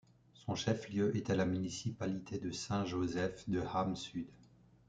Son chef-lieu était la municipalité de Saint-Joseph-de-Ham-Sud.